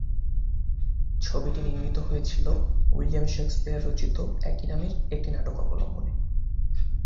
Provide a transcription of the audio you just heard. ছবিটি নির্মিত হয়েছিল উইলিয়াম শেকসপিয়র রচিত একই নামের একটি নাটক অবলম্বনে।